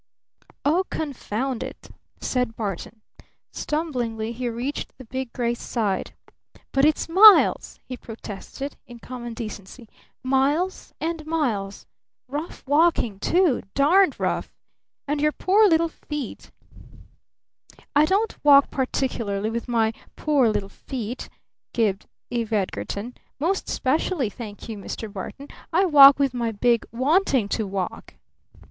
"Oh, confound it!" said Barton. Stumblingly he reached the big gray's side. "But it's miles!" he protested in common decency. "Miles! and miles! Rough walking, too, darned rough! And your poor little feet " "I don't walk particularly with my 'poor little feet,'" gibed Eve Edgarton. "Most especially, thank you, Mr. Barton, I walk with my big wanting to walk!"